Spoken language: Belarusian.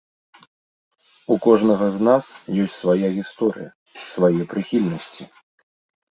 У кожнага з нас ёсць свая гісторыя, свае прыхільнасці.